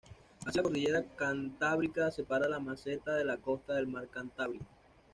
Así, la cordillera Cantábrica separa la meseta de la costa del mar Cantábrico.